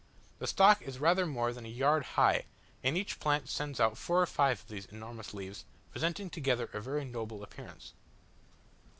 The stalk is rather more than a yard high, and each plant sends out four or five of these enormous leaves, presenting together a very noble appearance.